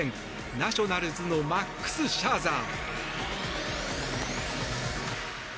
ナショナルズのマックス・シャーザー。